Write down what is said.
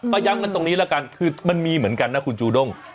ก็ย้ำกันตรงนี้ละกันคือมันมีเหมือนกันนะคุณจูด้ง